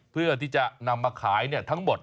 เพื่อที่จะนำมาขายทั้งหมด